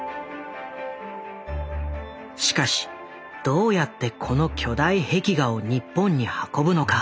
しかしどうやってこの巨大壁画を日本に運ぶのか。